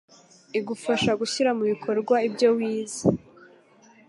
igufasha gushyira mu bikorwa ibyo wize